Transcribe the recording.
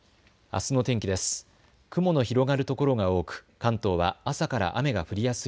あすの天気です。